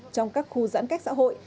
trong các khu giãn cách xã hội